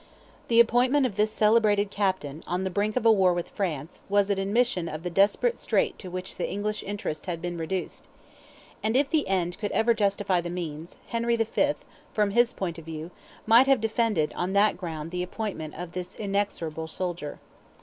The appointment of this celebrated Captain, on the brink of a war with France, was an admission of the desperate strait to which the English interest had been reduced. And if the end could ever justify the means, Henry V., from his point of view, might have defended on that ground the appointment of this inexorable soldier.